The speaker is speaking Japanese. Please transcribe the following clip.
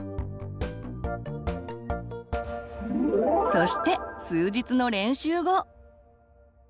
そして数日の練習後。